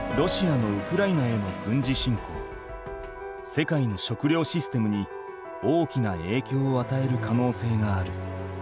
世界の食料システムに大きなえいきょうをあたえるかのうせいがある。